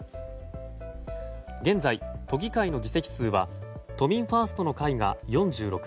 現在、都議会の議席数は都民ファーストの会が４６